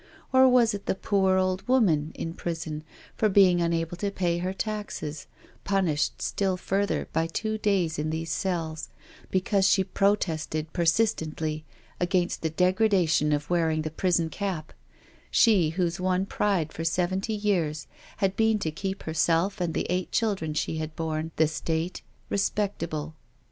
Or was it the poor old woman in prison for being unable to pay her taxes, punished still further by two days in these cells because she pro« tested persistently against the degradation of wearing the prison cap, she whose one pride for seventy years had been to keep herself and the eight children she had borne the State " respectable."